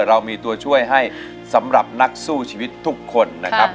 เรามีตัวช่วยให้สำหรับนักสู้ชีวิตทุกคนนะครับ